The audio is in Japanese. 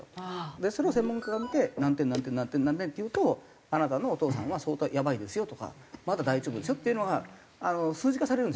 でそれを専門家が見て何点何点何点何点っていうと「あなたのお父さんは相当やばいですよ」とか「まだ大丈夫ですよ」っていうのが数値化されるんですよね。